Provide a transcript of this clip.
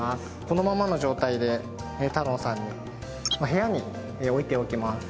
このまんまの状態でタロウさんに部屋に置いておきます